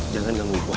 jangan ganggu gua